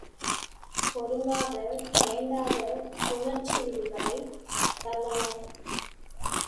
பொருந்தாத வேண்டாத புணர்ச்சி விதிகளைத் தள்ளலாம்.